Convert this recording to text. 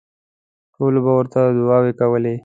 ټولو به ورته دوعاوې کولې.